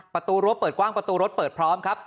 ประตูรั้วเปิดกว้างประตูรถเปิดพร้อมครับ